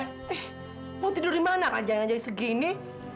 eh mau tidur di mana kan jangan jagain segini